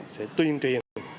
sẽ tuyên truyền